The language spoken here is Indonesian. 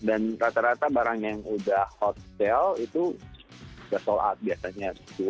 dan rata rata barang yang udah hot sale itu udah sold out biasanya